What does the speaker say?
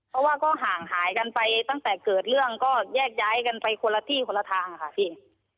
เพราะว่าก็ห่างหายกันไปตั้งแต่เกิดเรื่องก็แยกย้ายกันไปคนละที่คนละทางค่ะพี่